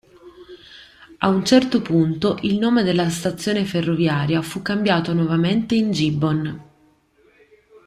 A un certo punto, il nome della stazione ferroviaria fu cambiato nuovamente in Gibbon.